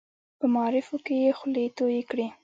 په معارفو کې یې خولې تویې کړې.